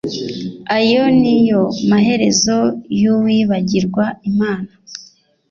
ayo ni yo maherezo y'uwibagirwa imana